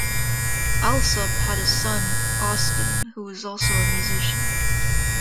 Allsup had a son, Austin, who is also a musician.